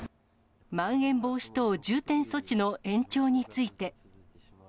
まん延防止等重点措置の延長について。